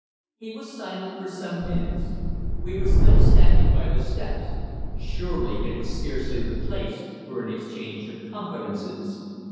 He was silent for some minutes. We were still standing by the steps. Surely it was scarcely the place for an exchange of confidences.